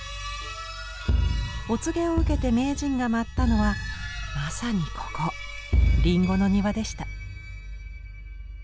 お告げを受けて名人が舞ったのはまさにここ林檎の庭でした。